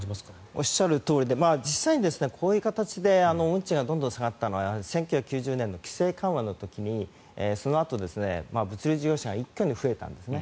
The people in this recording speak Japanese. おっしゃるとおりで実際に、こういう形で運賃がどんどん下がったのは１９９０年の規制緩和の時にそのあと、物流事業者が一挙に増えたんですね。